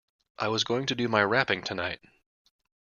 I was going to do my wrapping tonight.